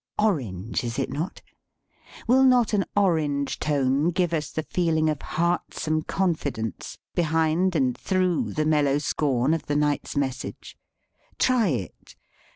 Orange, is it not ? Will not an orange tone give us the feel of heart some confidence behind and through the mellow scorn of the knight's message ? Try it!